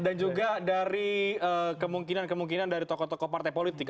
dan juga dari kemungkinan kemungkinan dari tokoh tokoh partai politik